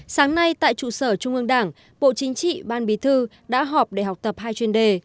sáng nay tại trụ sở trung ương đảng bộ chính trị ban bí thư đã họp để học tập hai chuyên đề